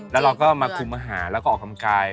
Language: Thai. แล้วเราก็มาคุมอาหารแล้วก็ออกกำลังกาย